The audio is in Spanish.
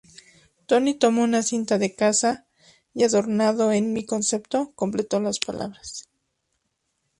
Tony tomó una cinta de casa, y adornado en mi concepto, completó las palabras".